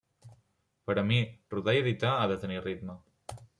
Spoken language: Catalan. Per a mi, rodar i editar ha de tenir ritme.